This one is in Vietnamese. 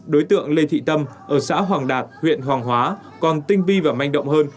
đối tượng lê thị tâm ở xã hoàng đạt huyện hoàng hóa còn tinh vi và manh động hơn